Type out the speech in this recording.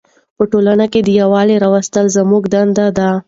په ټولنه کې د یووالي راوستل زموږ دنده ده.